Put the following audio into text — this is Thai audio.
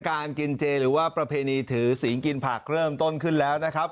การกินเจหรือว่าประเพณีถือศีลกินผักเริ่มต้นขึ้นแล้วนะครับ